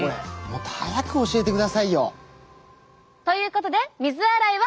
もっと早く教えてくださいよ。ということで「水洗い」は。